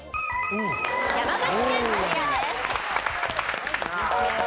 山口県クリアです。